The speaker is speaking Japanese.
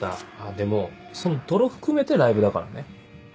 でもその泥含めてライブだからね。